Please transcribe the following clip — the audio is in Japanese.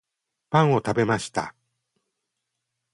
パンを食べました